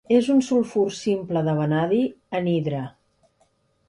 És un sulfur simple de vanadi, anhidre.